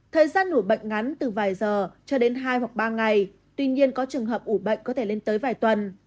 thời gian ủ bệnh ngắn từ vài giờ cho đến hai hoặc ba ngày tuy nhiên có trường hợp ủ bệnh có thể lên tới vài tuần